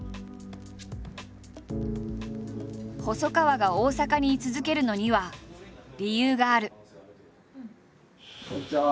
細川が大阪に居続けるのには理由がある。